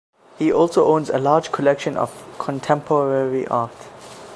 He also owns a large collection of contemporary art.